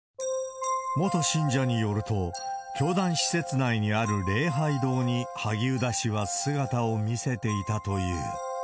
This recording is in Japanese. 元信者によると、教団施設内にある礼拝堂に、萩生田氏は姿を見せていたという。